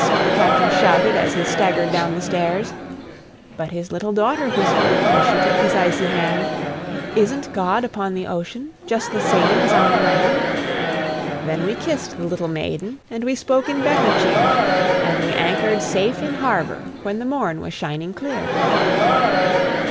the captain shouted As he staggered down the stairs. But his little daughter whispered, As she took his icy hand, "Isn't God upon the ocean, Just the same as on the land?" Then we kissed the little maiden. And we spoke in better cheer, And we anchored safe in harbour When the morn was shining clear.